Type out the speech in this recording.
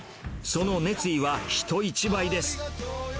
その熱意は人一倍です。